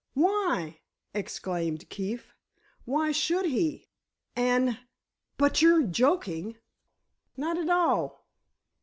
"Why?" exclaimed Keefe. "Why should he? And—but you're joking." "Not at all.